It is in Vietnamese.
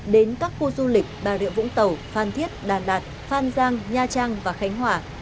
đến các khu du lịch bà rịa vũng tàu phan thiết đà lạt phan giang nha trang và khánh hòa